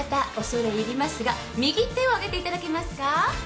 恐れ入りますが右手を挙げていただけますか？